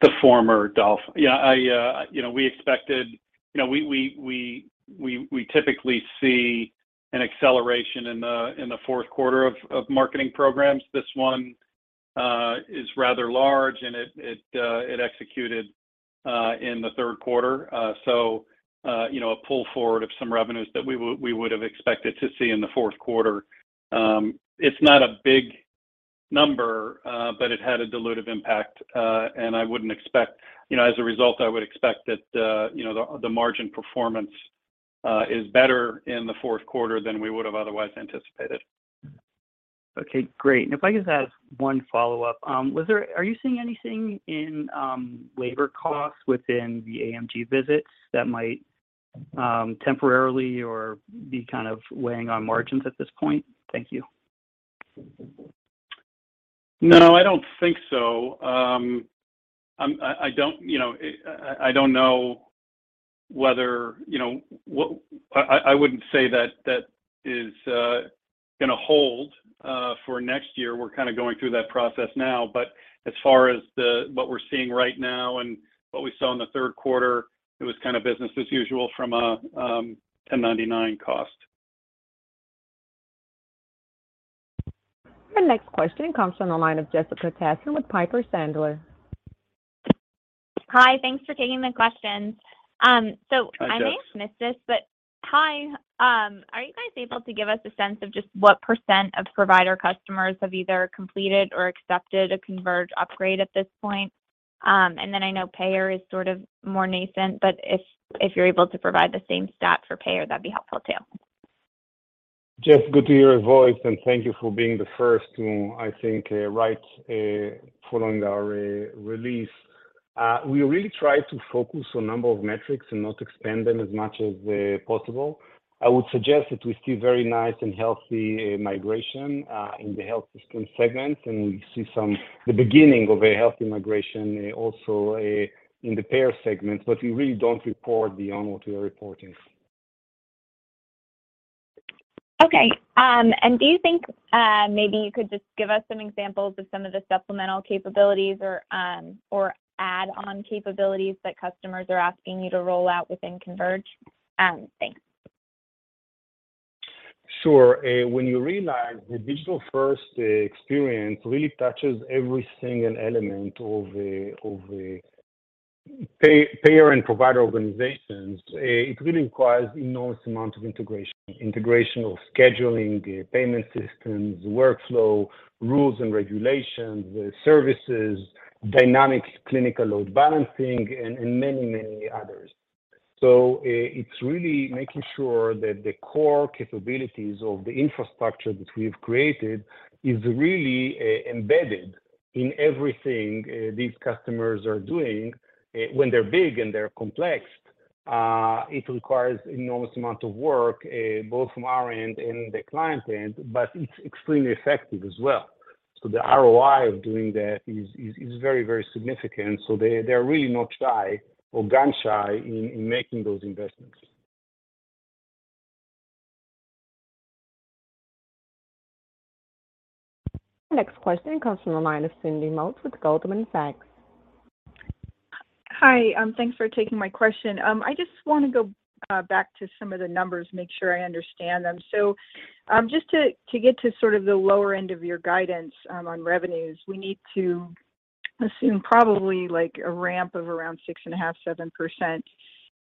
D: The former, Dolph. Yeah, I, you know, we expected. You know, we typically see an acceleration in the fourth quarter of marketing programs. This one is rather large, and it executed in the third quarter. So, you know, a pull forward of some revenues that we would have expected to see in the fourth quarter. It's not a big number, but it had a dilutive impact. And I wouldn't expect. You know, as a result, I would expect that, you know, the margin performance is better in the fourth quarter than we would have otherwise anticipated.
K: Okay, great. If I could just ask one follow-up. Are you seeing anything in labor costs within the AMG visits that might temporarily or be kind of weighing on margins at this point? Thank you.
D: No, I don't think so. I don't know whether, you know, I wouldn't say that is gonna hold for next year. We're kinda going through that process now. As far as what we're seeing right now and what we saw in the third quarter, it was kinda business as usual from a 1099 cost.
A: Our next question comes from the line of Jessica Tassan with Piper Sandler.
L: Hi, thanks for taking the questions.
D: Hi, Jess.
L: I may have missed this, but Tai, are you guys able to give us a sense of just what % of provider customers have either completed or accepted a Converge upgrade at this point? I know payer is sort of more nascent, but if you're able to provide the same stat for payer, that'd be helpful too.
C: Jess, good to hear your voice, and thank you for being the first to, I think, write following our release. We really try to focus on number of metrics and not expand them as much as possible. I would suggest that we see very nice and healthy migration in the health system segment, and we see the beginning of a healthy migration also in the payer segment, but we really don't report beyond what we are reporting.
L: Okay. Do you think maybe you could just give us some examples of some of the supplemental capabilities or add-on capabilities that customers are asking you to roll out within Converge? Thanks.
C: Sure. When you realize the digital-first experience really touches every single element of a payer and provider organizations, it really requires enormous amount of integration. Integration of scheduling, payment systems, workflow, rules and regulations, services, dynamics, clinical load balancing, and many others. It's really making sure that the core capabilities of the infrastructure that we've created is really embedded in everything these customers are doing. When they're big and they're complex, it requires enormous amount of work both from our end and the client end, but it's extremely effective as well. The ROI of doing that is very, very significant, so they're really not shy or gun-shy in making those investments.
A: Our next question comes from the line of Cindy Motz with Goldman Sachs.
M: Hi. Thanks for taking my question. I just wanna go back to some of the numbers, make sure I understand them. Just to get to sort of the lower end of your guidance on revenues, we need to assume probably like a ramp of around 6.5-7%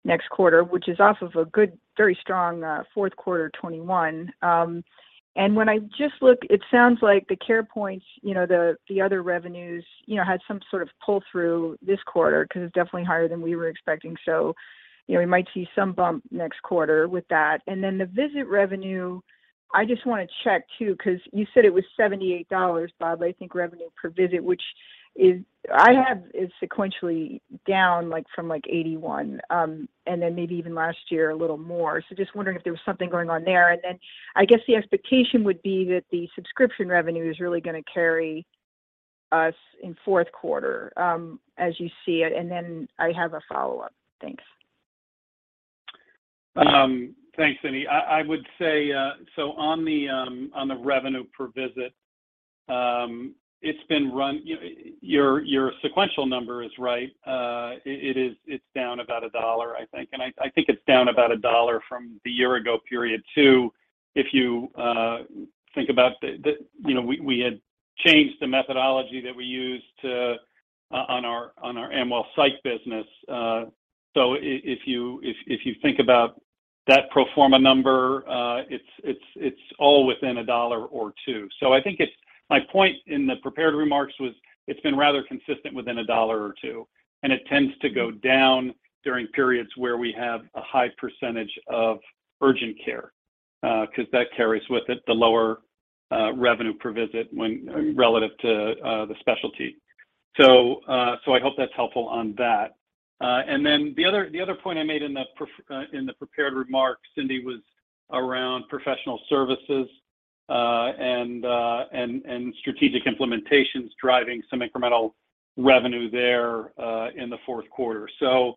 M: next quarter, which is off of a good, very strong fourth quarter 2021. When I just look, it sounds like the Carepoint, you know, the other revenues, you know, had some sort of pull-through this quarter 'cause it's definitely higher than we were expecting. You know, we might see some bump next quarter with that. The visit revenue, I just wanna check too, 'cause you said it was $78, Bob, I think revenue per visit, which is... I have it sequentially down like from 81, and then maybe even last year a little more. Just wondering if there was something going on there. Then I guess the expectation would be that the subscription revenue is really gonna carry us in fourth quarter, as you see it. Then I have a follow-up. Thanks.
D: Thanks, Cindy. I would say, so on the revenue per visit, it's been running. You know, your sequential number is right. It is, it's down about $1, I think. I think it's down about $1 from the year ago period too. If you think about the, you know, we had changed the methodology that we used to on our Amwell site business. If you think about that pro forma number, it's all within $1 or $2. My point in the prepared remarks was it's been rather consistent within $1 or $2, and it tends to go down during periods where we have a high percentage of urgent care, because that carries with it the lower revenue per visit relative to the specialty. I hope that's helpful on that. The other point I made in the prepared remarks, Cindy, was around professional services and strategic implementations driving some incremental revenue there in the fourth quarter. You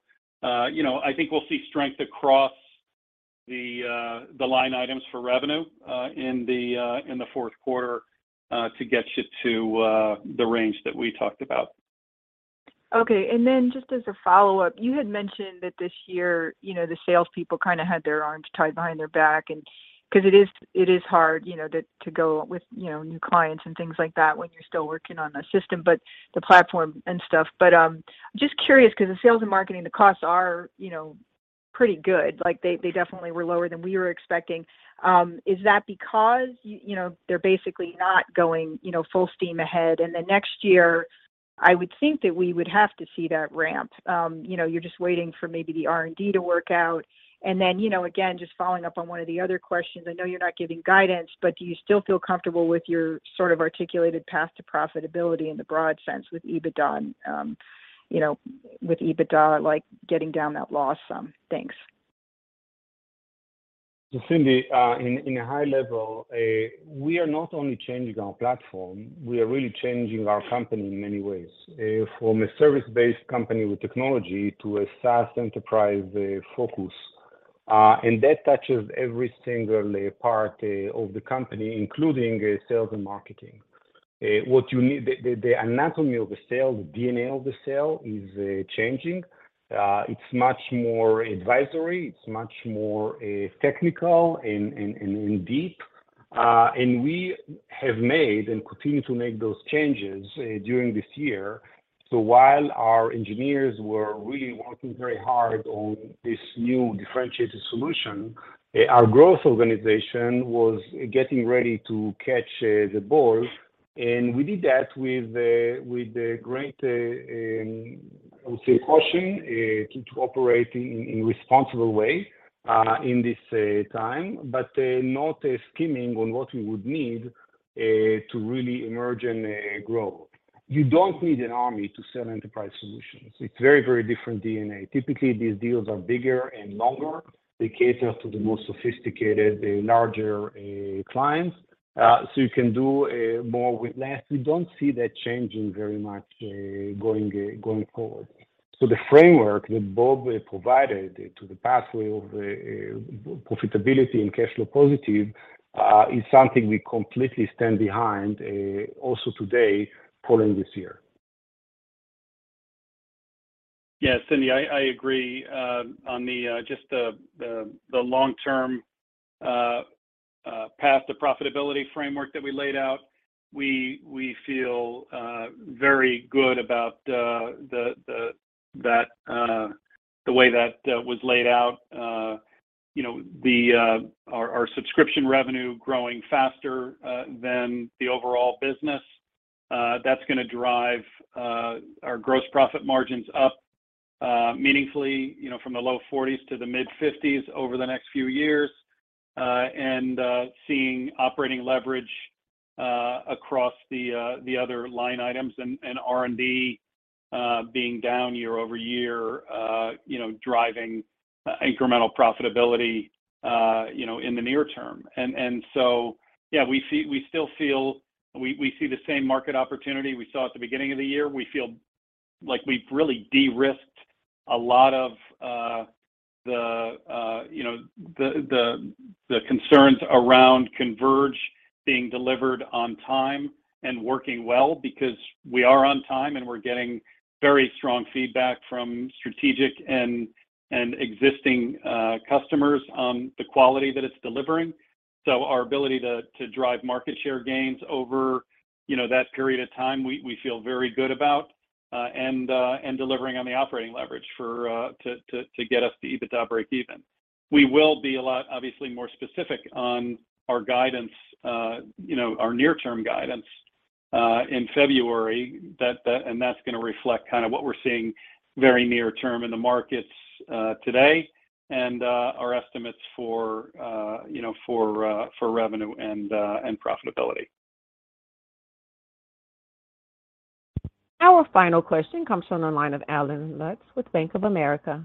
D: know, I think we'll see strength across the line items for revenue in the fourth quarter to get you to the range that we talked about.
M: Okay. Just as a follow-up, you had mentioned that this year, you know, the salespeople kind of had their arms tied behind their back, and 'cause it is hard, you know, to go with, you know, new clients and things like that when you're still working on a system, but the platform and stuff. Just curious 'cause the sales and marketing, the costs are, you know, pretty good. Like, they definitely were lower than we were expecting. Is that because you know, they're basically not going, you know, full steam ahead? Next year I would think that we would have to see that ramp. You know, you're just waiting for maybe the R&D to work out, and then, you know, again, just following up on one of the other questions, I know you're not giving guidance, but do you still feel comfortable with your sort of articulated path to profitability in the broad sense with EBITDA and, you know, with EBITDA, like getting down that loss sum? Thanks.
C: Cindy, at a high level, we are not only changing our platform, we are really changing our company in many ways, from a service-based company with technology to a SaaS enterprise focus. That touches every single part of the company, including sales and marketing. The anatomy of the sale, the DNA of the sale is changing. It's much more advisory, it's much more technical and deep. We have made and continue to make those changes during this year. While our engineers were really working very hard on this new differentiated solution, our growth organization was getting ready to catch the ball. We did that with the great caution to operate in responsible way in this time. Not skimming on what we would need to really emerge and grow. You don't need an army to sell enterprise solutions. It's very, very different DNA. Typically, these deals are bigger and longer. They cater to the more sophisticated larger clients. So you can do more with less. We don't see that changing very much going forward. The framework that Bob provided to the pathway of profitability and cash flow positive is something we completely stand behind also today calling this year.
D: Yeah, Cindy, I agree on just the long-term path to profitability framework that we laid out. We feel very good about the way that was laid out. You know, our subscription revenue growing faster than the overall business, that's gonna drive our gross profit margins up meaningfully, you know, from the low 40s% to the mid 50s% over the next few years. And seeing operating leverage across the other line items and R&D being down year-over-year, you know, driving incremental profitability, you know, in the near term. Yeah, we still feel we see the same market opportunity we saw at the beginning of the year. We feel like we've really de-risked a lot of you know, the concerns around Converge being delivered on time and working well because we are on time and we're getting very strong feedback from strategic and existing customers on the quality that it's delivering. So our ability to drive market share gains over you know, that period of time, we feel very good about and delivering on the operating leverage to get us to EBITDA breakeven. We will be a lot obviously more specific on our guidance you know, our near-term guidance in February, and that's gonna reflect kind of what we're seeing very near term in the markets today and our estimates for you know, for revenue and profitability.
A: Our final question comes from the line of Allen Lutz with Bank of America.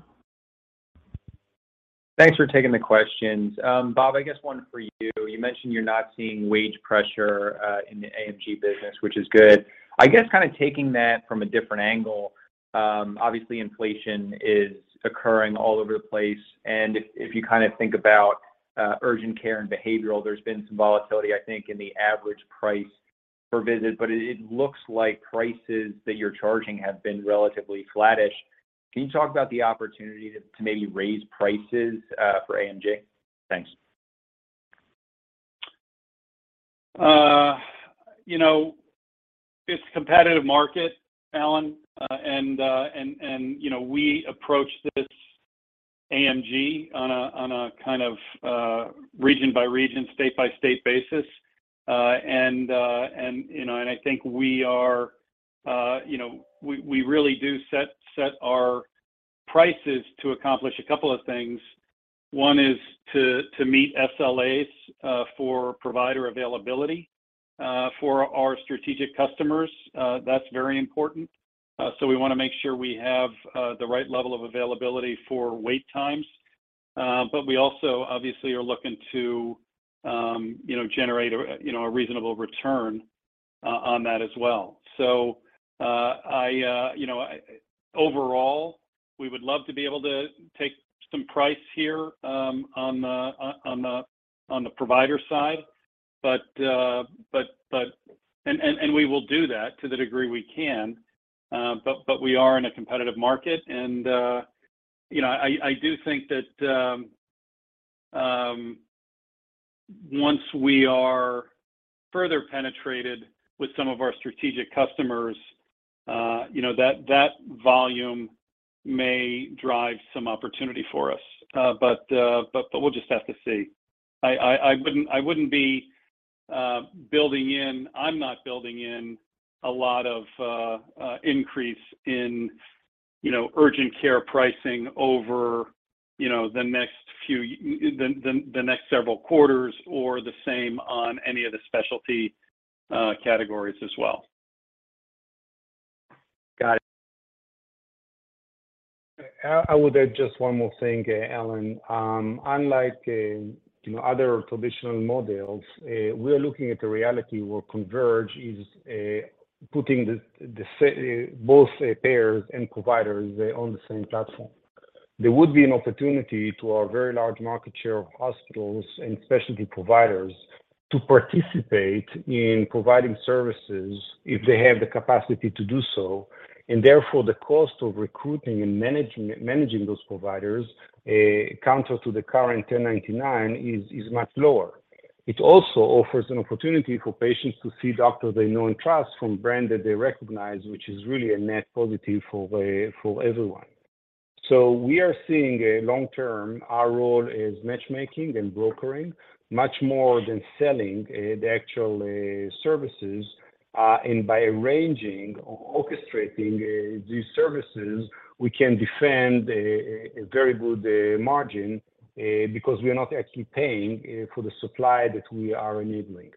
N: Thanks for taking the questions. Bob, I guess one for you. You mentioned you're not seeing wage pressure in the AMG business, which is good. I guess kind of taking that from a different angle, obviously inflation is occurring all over the place, and if you kind of think about urgent care and behavioral, there's been some volatility, I think, in the average price per visit, but it looks like prices that you're charging have been relatively flattish. Can you talk about the opportunity to maybe raise prices for AMG? Thanks.
D: You know, it's a competitive market, Allen. You know, we approach this AMG on a kind of region-by-region, state-by-state basis. You know, I think we are, you know, we really do set our prices to accomplish a couple of things. One is to meet SLAs for provider availability for our strategic customers. That's very important. We wanna make sure we have the right level of availability for wait times. We also obviously are looking to, you know, generate a, you know, a reasonable return on that as well. You know, overall, we would love to be able to take some price here on the provider side. We will do that to the degree we can. We are in a competitive market and, you know, I do think that once we are further penetrated with some of our strategic customers, you know, that volume may drive some opportunity for us. We'll just have to see. I'm not building in a lot of increase in, you know, urgent care pricing over, you know, the next several quarters or the same on any of the specialty categories as well.
N: Got it.
C: I would add just one more thing, Allen. Unlike you know, other traditional models, we are looking at the reality where Converge is putting both payers and providers on the same platform. There would be an opportunity for our very large market share of hospitals and specialty providers to participate in providing services if they have the capacity to do so, and therefore the cost of recruiting and managing those providers, counter to the current 1099, is much lower. It also offers an opportunity for patients to see doctors they know and trust from brand that they recognize, which is really a net positive for everyone. We are seeing long-term, our role is matchmaking and brokering much more than selling the actual services. By arranging or orchestrating these services, we can defend a very good margin because we are not actually paying for the supply that we are enabling.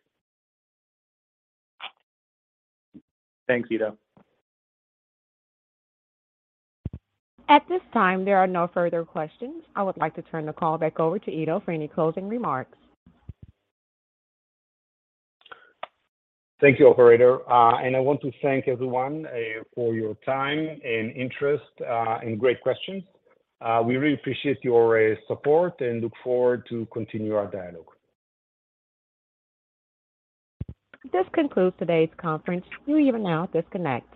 N: Thanks, Ido.
A: At this time, there are no further questions. I would like to turn the call back over to Ido for any closing remarks.
C: Thank you, operator. I want to thank everyone for your time and interest and great questions. We really appreciate your support and look forward to continue our dialogue.
A: This concludes today's conference. You may now disconnect.